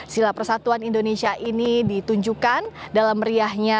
sila persatuan indonesia ini ditunjukkan dalam meriahnya